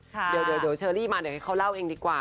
เดี๋ยวเชอรี่มาเดี๋ยวให้เขาเล่าเองดีกว่า